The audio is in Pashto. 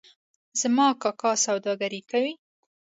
زما کاکا سوداګري کوي